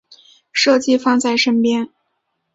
设计放在身边